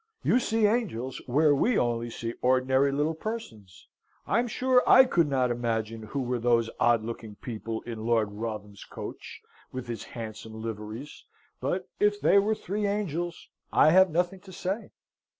You see angels where we only see ordinary little persons. I'm sure I could not imagine who were those odd looking people in Lord Wrotham's coach, with his handsome liveries. But if they were three angels, I have nothing to say."